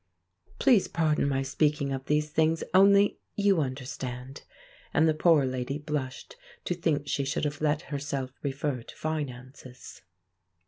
Please pardon my speaking of these things, only—you understand," and the poor lady blushed to think she should have let herself refer to finances.